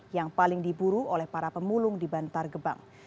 yang paling diburu oleh para pemulung di bantar gebang